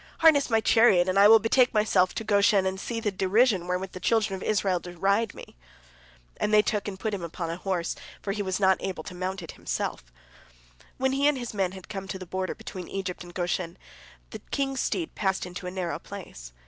Harness my chariot, and I will betake myself to Goshen, and see the derision wherewith the children of Israel deride me." And they took and put him upon a horse, for he was not able to mount it himself. When he and his men had come to the border between Egypt and Goshen, the king's steed passed into a narrow place.